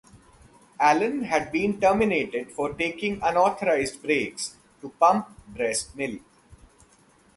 Allen had been terminated for taking unauthorized breaks to pump breast milk.